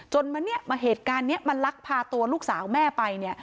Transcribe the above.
จนมาเนี้ยมาเหตุการณ์เนี้ยมันลักพาตัวลูกสาวแม่ไปเนี้ย